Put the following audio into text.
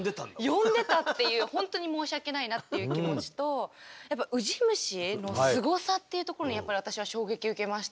呼んでたっていう本当に申し訳ないなっていう気持ちとウジ虫のすごさっていうところにやっぱり私は衝撃受けましたね。